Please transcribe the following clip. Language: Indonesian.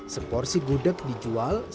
seporsi gudeg dijual sepuluh hingga lima belas hari